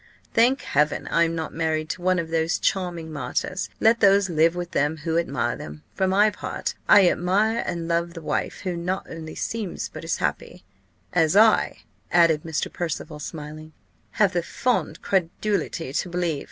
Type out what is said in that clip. Thank Heaven! I am not married to one of these charming martyrs. Let those live with them who admire them. For my part, I admire and love the wife, who not only seems but is happy as I," added Mr. Percival smiling, "have the fond credulity to believe.